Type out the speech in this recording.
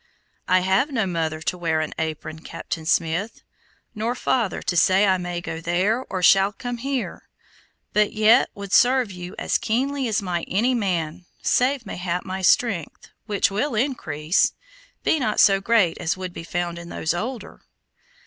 "I have no mother to wear an apron, Captain Smith, nor father to say I may go there or shall come here; but yet would serve you as keenly as might any man, save mayhap my strength, which will increase, be not so great as would be found in those older."